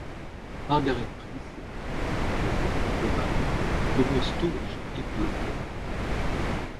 Margaret Price, issue d'une famille mélomane, commence tôt à chanter pour le plaisir.